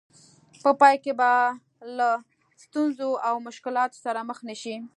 په پای کې به له ستونزو او مشکلاتو سره مخ نه شئ.